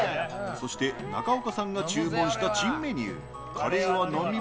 そして中岡さんが注文した珍メニューカレーは飲み物？